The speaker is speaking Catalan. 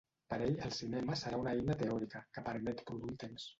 Per ell el cinema serà una eina teòrica, que permet produir temps.